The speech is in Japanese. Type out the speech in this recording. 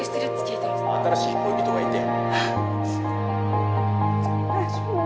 新しい恋人がいて。